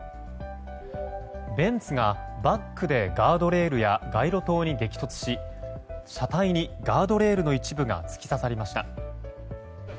ベンツがバックでガードレールや街路灯に激突し車体にガードレールの一部が突き刺さりました。